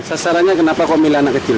sasarannya kenapa kau milih anak kecil